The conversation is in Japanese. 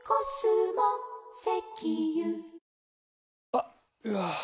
あっ、うわー。